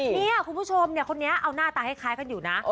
นี่คุณผู้ชมคนนี้เอาหน้าตาคล้ายกันอยู่นะ